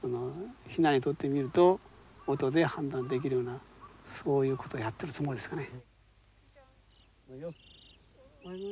ヒナにとってみると音で判断できるようなそういうことをやってるつもりですがね。